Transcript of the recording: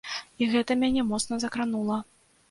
І гэта мяне моцна закранула.